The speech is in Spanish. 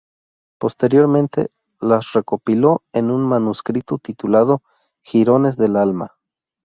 Posteriormente, las recopiló en un manuscrito titulado "Jirones del alma".